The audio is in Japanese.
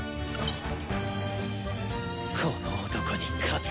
この男に勝つ。